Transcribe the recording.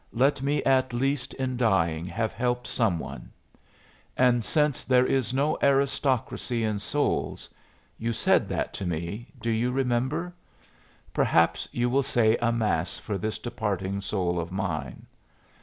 Let me at least in dying have helped some one. And since there is no aristocracy in souls you said that to me; do you remember? perhaps you will say a mass for this departing soul of mine.